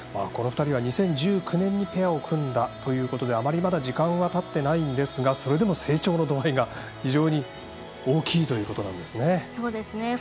この２人は２０１９年にペアを組んだということであまりまだ時間はたっていないんですがそれでも成長の度合いが非常に大きいということなんですね。